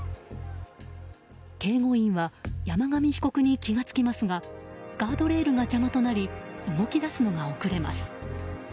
警護員は山上被告に気が付きますがガードレールが邪魔となり動き出すのが遅れます。